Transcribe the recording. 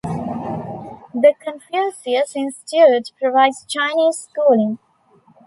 The Confucius Institute provides Chinese schooling.